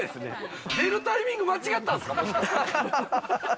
出るタイミング間違ったんすか？